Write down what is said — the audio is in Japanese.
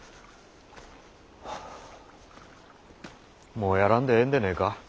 もうやらんでええんでねえか？